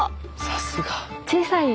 さすが。